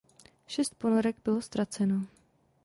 Šest ponorek bylo ztraceno.